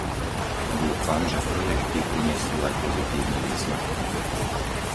Dúfam, že projekty prinesú aj pozitívne výsledky.